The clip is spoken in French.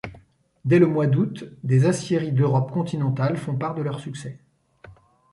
Dès le mois d'août, des aciéries d'Europe continentale font part de leurs succès.